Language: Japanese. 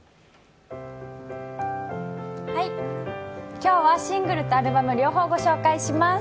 今日はシングルとアルバム両方ご紹介します。